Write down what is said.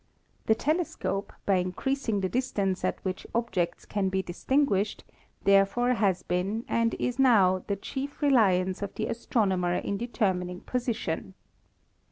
The telescope, by increasing the distance at which objects can be distinguished, therefore has been and is now the chief reliance of the astronomer in deter mining position.